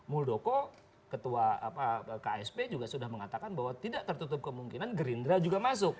muldoko ketua ksp juga sudah mengatakan bahwa tidak tertutup kemungkinan gerindra juga masuk